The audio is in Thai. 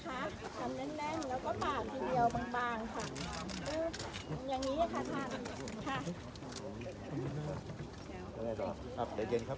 กรรมแน่นแน่นแล้วก็บาดทีเดียวบางบางค่ะอย่างงี้ค่ะท่านค่ะ